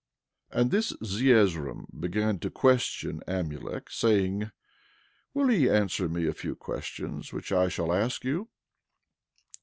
11:21 And this Zeezrom began to question Amulek, saying: Will ye answer me a few questions which I shall ask you?